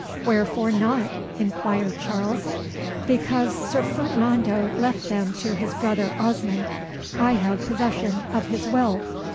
"Wherefore not?" inquired Charles. "Because Sir Ferdinando left them to his brother Osmond. I have possession of his will."